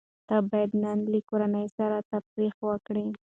ته بايد نن له کورنۍ سره تفريح وکړې.